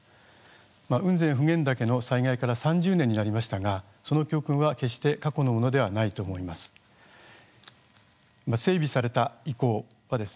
雲仙・普賢岳の災害から３０年になりましたがその教訓は決して過去のものではないと思います。